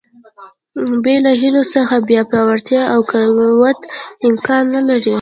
بې له هیلو څخه بیا پیاوړتیا او قوت امکان نه لري.